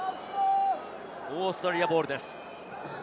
オーストラリアボールです。